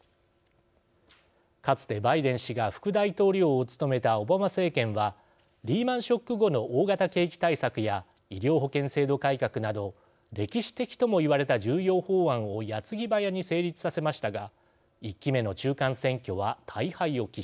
かつてバイデン氏が副大統領を務めたオバマ政権はリーマンショック後の大型景気対策や医療保険制度改革など歴史的ともいわれた重要法案をやつぎばやに成立させましたが１期目の中間選挙は大敗を喫しました。